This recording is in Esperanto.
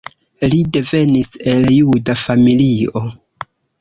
Li devenis el juda familio.